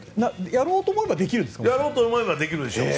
やろうと思えばできるでしょう。